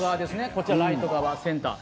こちら、ライト側、センター。